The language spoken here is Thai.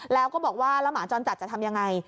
แล้วก็บอกว่าแล้วหมาจรจัดจะทำยังไง